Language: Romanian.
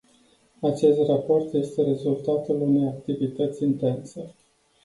Acest raport este rezultatul unei activități intense.